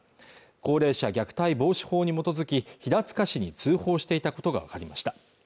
高齢者虐待防止法に基づき平塚市に通報していたことが分かりました